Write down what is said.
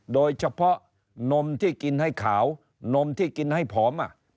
โดยเฉพาะนมที่กินให้ขาวนมที่กินให้ผอม